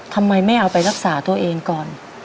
ทำไมไม่เอาไปรักษาตัวเองก่อน